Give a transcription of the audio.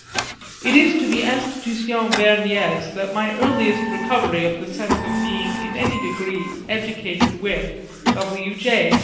XV It is to the Institution Vergnès that my earliest recovery of the sense of being in any degree "educated with" W. J.